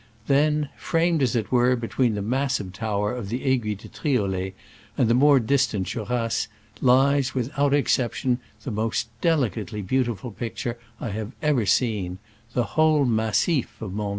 Then, framed as it were between the massive tower of the Aiguille de Triolet and the more distant Jorasses, lies, without exception, the most delicately beautiful picture I have ever seen — the whole massif of Mont